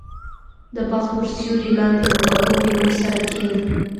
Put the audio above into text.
• د باغ تر سیوري لاندې د خوږو مېوو سره کښېنه.